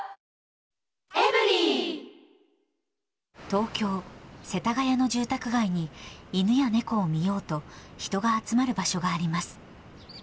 東京・世田谷の住宅街に、犬や猫を見ようと、人が集まる場所があります。